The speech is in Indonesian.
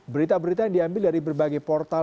berita berita yang diambil dari berbagai portal